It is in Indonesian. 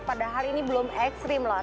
padahal ini belum ekstrim lah